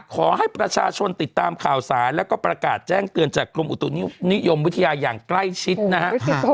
ขอให้ประชาชนติดตามข่าวสารแล้วก็ประกาศแจ้งเตือนจากกรมอุตุนิยมวิทยาอย่างใกล้ชิดนะฮะ